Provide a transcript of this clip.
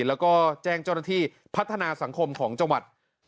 แล้วก็แจ้งเจ้าหน้าที่พัฒนาสังคมของจังหวัด